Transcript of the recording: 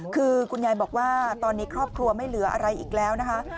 คือคุณยายบอกว่าตอนนี้ครอบครัวไม่เหลืออะไรอีกแล้วนะคะ